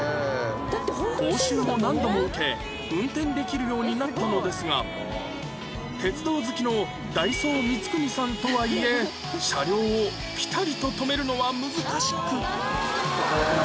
講習を何度も受け運転できるようになったのですが鉄道好きの代走みつくにさんとはいえ車両をピタリと止めるのは難しく